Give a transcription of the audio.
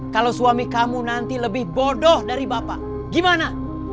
kalau suami kamu nanti lebih bodoh dari bapak gimana